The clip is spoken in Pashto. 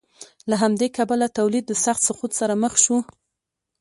له همدې کبله تولید له سخت سقوط سره مخ شو